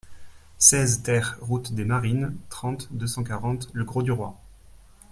seize TER route des Marines, trente, deux cent quarante, Le Grau-du-Roi